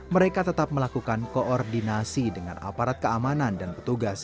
mereka tetap melakukan koordinasi dengan aparat keamanan dan petugas